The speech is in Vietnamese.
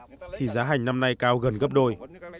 năm trước thì giá hành năm nay cao gần gấp đôi